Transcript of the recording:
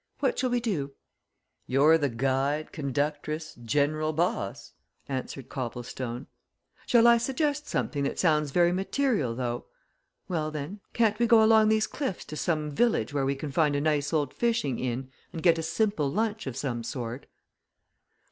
What shall we do?" "You're the guide, conductress, general boss!" answered Copplestone. "Shall I suggest something that sounds very material, though? Well, then, can't we go along these cliffs to some village where we can find a nice old fishing inn and get a simple lunch of some sort?"